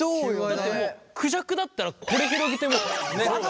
だってもうクジャクだったらこれ広げてもう。